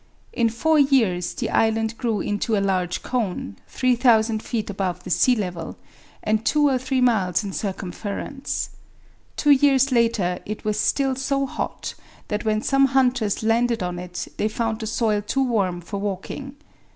In four years the island grew into a large cone, 3000 feet above the sea level, and two or three miles in circumference. Two years later it was still so hot that when some hunters landed on it they found the soil too warm for walking.